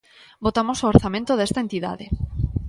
Votamos o orzamento desta entidade.